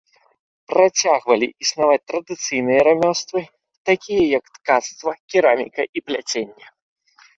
Працягвалі існаваць традыцыйныя рамёствы, такія як ткацтва, кераміка і пляценне.